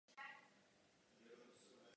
Scheme užívá konceptu "portů" pro čtení a zápis.